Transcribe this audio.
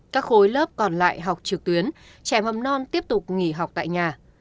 các khối lớp còn lại học trực tuyến trẻ mầm non tiếp tục nghỉ học tại nhà